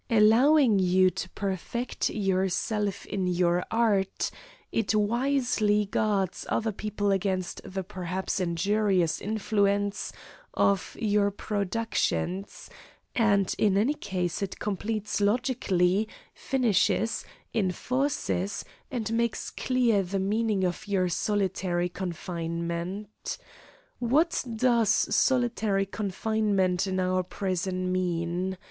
Allowing you to perfect yourself in your art, it wisely guards other people against the perhaps injurious influence of your productions, and in any case it completes logically, finishes, enforces, and makes clear the meaning of your solitary confinement. What does solitary confinement in our prison mean?